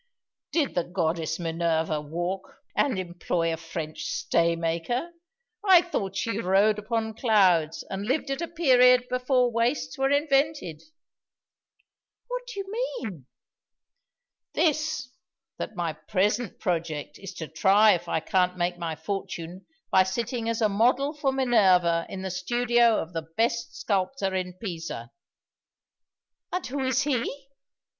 "Did the goddess Minerva walk, and employ a French stay maker? I thought she rode upon clouds, and lived at a period before waists were invented." "What do you mean?" "This that my present project is to try if I can't make my fortune by sitting as a model for Minerva in the studio of the best sculptor in Pisa." "And who is he!